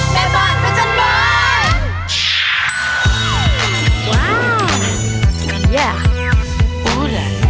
แม่บ้านประจำบอล